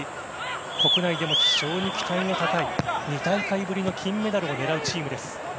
国内でも非常に期待が高い２大会ぶりの金メダルを狙うチームです。